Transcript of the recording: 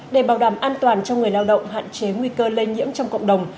để bảo đảm an toàn cho người lao động hạn chế nguy cơ lây nhiễm trong cộng đồng